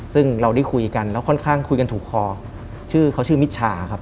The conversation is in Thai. ซึ่งเราได้คุยกันแล้วค่อนข้างคุยกันถูกคอชื่อเขาชื่อมิชชาครับ